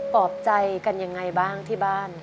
ปลอบใจกันยังไงบ้างที่บ้าน